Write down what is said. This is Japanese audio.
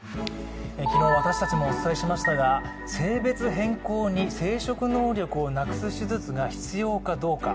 昨日、私たちもお伝えしましたが性別変更に生殖能力をなくす手術が必要かどうか。